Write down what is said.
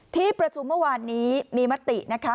ที่ประชุมเมื่อวานนี้มีมตินะคะ